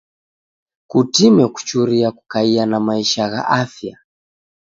Kutime kuchuria kukaia na maisha gha afya.